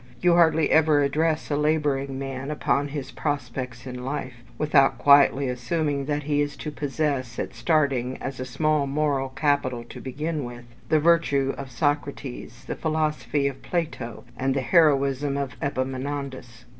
You hardly ever address a labouring man upon his prospects in life, without quietly assuming that he is to possess, at starting, as a small moral capital to begin with, the virtue of Socrates, the philosophy of Plato, and the heroism of Epaminondas.